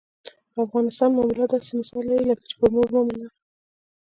په افغانستان معامله داسې مثال لري لکه چې پر مور معامله.